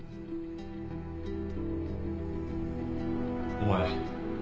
お前。